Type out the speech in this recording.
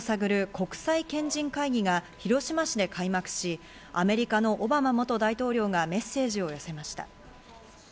国際賢人会議が広島市で開幕し、アメリカのオバマ元大統領がメッセージを寄せました。